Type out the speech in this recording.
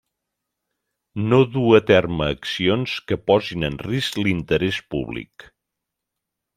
No dur a terme accions que posin en risc l'interès públic.